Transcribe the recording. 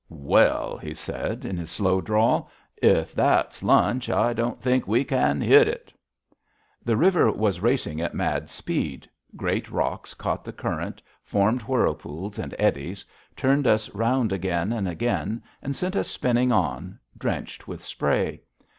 "Well," he said, in his slow drawl, "if that's lunch, I don't think we can hit it." The river was racing at mad speed. Great rocks caught the current, formed whirlpools and eddies, turned us round again and again, and sent us spinning on, drenched with spray.